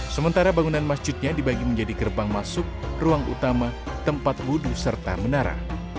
sementara bangunan masjidnya dibagi menjadi gerbang masuk ruang utama tempat wudhu serta menara